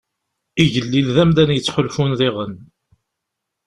Igellil d amdan yettḥulfun diɣen.